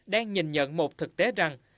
đang nhìn nhận một thực tế rằng